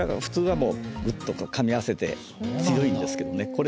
普通はグッとかみ合わせて強いんですけどね。